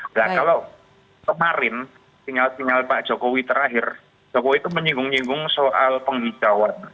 nah kalau kemarin sinyal sinyal pak jokowi terakhir jokowi itu menyinggung nyinggung soal penghijauan